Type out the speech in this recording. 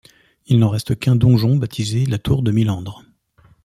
Il n’en reste qu’un donjon, baptisé la Tour de Milandre.